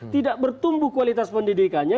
tidak bertumbuh kualitas pendidikannya